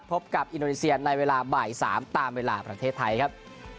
พบกับอินโดนีเซียในเวลาบ่าย๓ตามเวลาประเทศไทยครับ